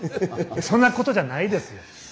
そんなことじゃないですよ。